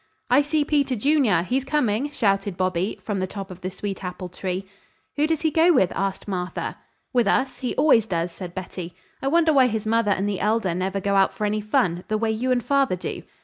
"I see Peter Junior. He's coming," shouted Bobby, from the top of the sweet apple tree. "Who does he go with?" asked Martha. "With us. He always does," said Betty. "I wonder why his mother and the Elder never go out for any fun, the way you and father do!"